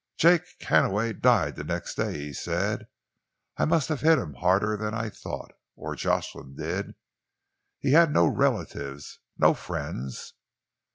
"Jake Hannaway died the next day," he said. "I must have hit him harder than I thought or Jocelyn did! He had no relatives, no friends.